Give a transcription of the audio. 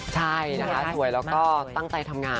ใช่นะคะสวยแล้วก็ตั้งใจทำงาน